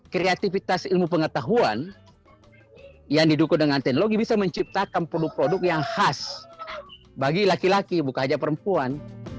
kreativitas ilmu pengetahuan yang didukung dengan teknologi bisa menciptakan produk produk yang khas bagi laki laki bukan saja perempuan